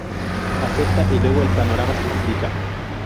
Acepta y luego el panorama se complica.